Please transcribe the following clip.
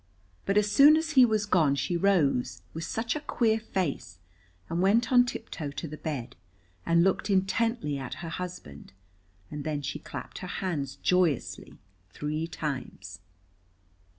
But as soon as he was gone she rose, with such a queer face, and went on tiptoe to the bed, and looked intently at her husband, and then she clapped her hands joyously three times.